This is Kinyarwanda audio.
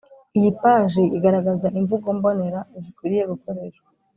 iyi paji igaragaza imvugo mbonera zikwiriye gukoreshwa